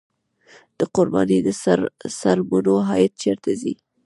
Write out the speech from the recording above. د قربانۍ د څرمنو عاید چیرته ځي؟